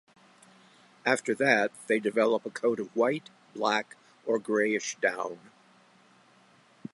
After that, they develop a coat of white, black or grayish down.